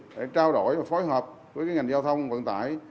để trao đổi và phối hợp với ngành giao thông vận tải